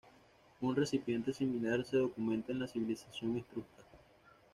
Un recipiente similar se documenta en la civilización etrusca.